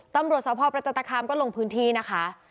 ตำรวจสพประจันตคามก็ลงพื้นที่นะคะ